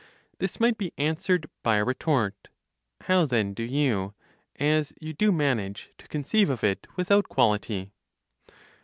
This might be answered by a retort. How then do you (as you do) manage to conceive of it without quality?